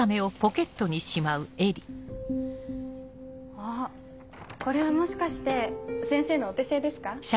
あっこれはもしかして先生のお手製ですか？